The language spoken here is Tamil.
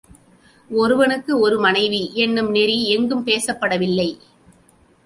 ஒருவனுக்கு ஒரு மனைவி என்னும் நெறி எங்கும் பேசப்படவில்லை.